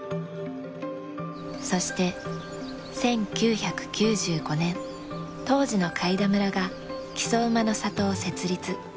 そして１９９５年当時の開田村が木曽馬の里を設立。